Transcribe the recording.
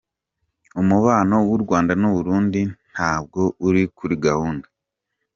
Umubano w’u Rwanda n’u Burundi ntabwo uri kuri gahunda”.